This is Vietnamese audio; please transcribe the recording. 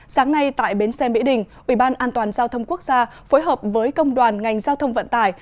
sáng nay tại bến xe mỹ đình ủy ban an toàn giao thông quốc gia phối hợp với công đoàn ngành giao thông vận tải